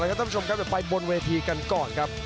ท่านผู้ชมครับเดี๋ยวไปบนเวทีกันก่อนครับ